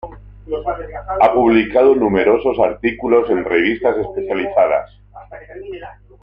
Ha publicado numerosos artículos en revistas especializadas.